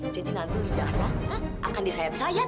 jadi nanti lidahnya akan disayat sayat